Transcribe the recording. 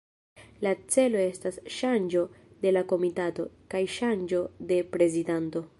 La celo estas ŝanĝo de la komitato, kaj ŝanĝo de prezidanto.